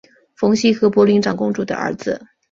冯熙和博陵长公主的儿子。